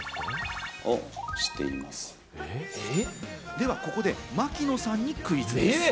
ではここで槙野さんにクイズです。